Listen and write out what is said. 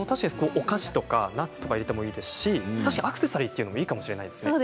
お菓子やナッツを入れてもいいしアクセサリーというのもいいかもしれないですね。